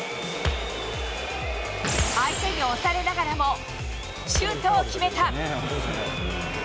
相手に押されながらもシュートを決めた。